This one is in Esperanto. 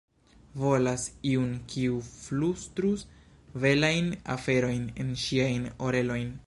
Volas iun, kiu flustrus belajn aferojn en ŝiajn oreletojn.